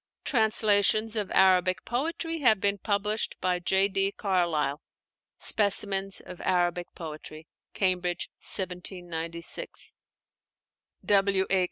Translations of Arabic poetry have been published by J.D. Carlyle, 'Specimens of Arabic Poetry' (Cambridge, 1796); W.A.